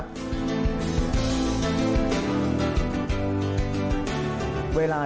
พี่มิเกลว่าสบายดีหรือเปล่าล่ะค่ะ